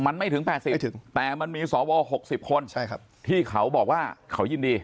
มันไม่ถึง๘๐แต่มันมีสว๖๐คนที่เขาบอกว่าเขายินดี